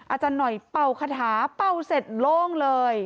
อาจารย์หน่อยเป่าคาถาเป่าเสร็จโล่งเลย